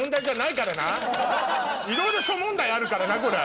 いろいろ諸問題あるからなこれ。